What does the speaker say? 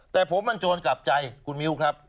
แต่ผมมันโจรกลับใจคุณมิ้วครับ